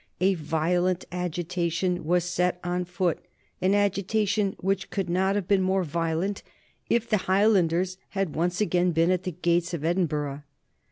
A violent agitation was set on foot, an agitation which could not have been more violent if the Highlanders had once again been at the gates of Edinburgh.